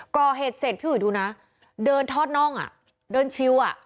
ก่อเหตุเสร็จพี่อุ๋ยดูนะเดินทอดน่องอ่ะเดินชิวอ่ะ